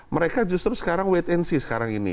mereka justru sekarang wait and see sekarang ini